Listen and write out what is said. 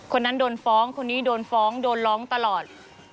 คนนั้นโดนฟ้องคนนี้โดนฟ้องโดนร้องตลอด